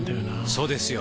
そうですよ